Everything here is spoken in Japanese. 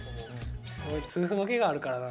俺、痛風の気があるからな。